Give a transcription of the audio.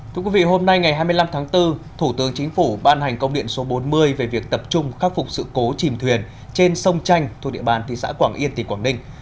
thưa quý vị hôm nay ngày hai mươi năm tháng bốn thủ tướng chính phủ ban hành công điện số bốn mươi về việc tập trung khắc phục sự cố chìm thuyền trên sông chanh thuộc địa bàn thị xã quảng yên tỉnh quảng ninh